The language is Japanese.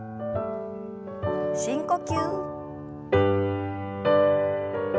深呼吸。